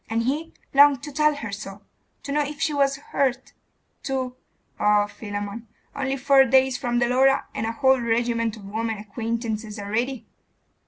And he longed to tell her so to know if she was hurt to Oh, Philammon! only four days from the Laura, and a whole regiment of women acquaintances already!